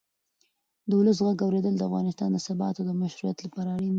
د ولس غږ اورېدل د افغانستان د ثبات او مشروعیت لپاره اړین دی